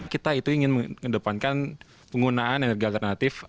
kita itu ingin mengedepankan penggunaan energi alternatif